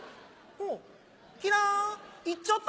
おキラン行っちゃった。